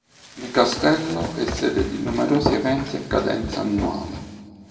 Il castello è sede di numerosi eventi a cadenza annuale.